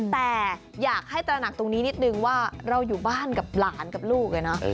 แต่อยากให้ตระหนักตรงนี้นิดนึงว่าเราอยู่บ้านกับหลานกับลูกเลยนะ